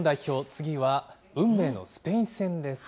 次は運命のスペイン戦です。